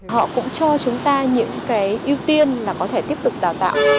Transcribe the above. họ cũng cho chúng ta những cái ưu tiên là có thể tiếp tục đào tạo